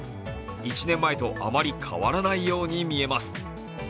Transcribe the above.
１年前とあまり変わらないように見えます。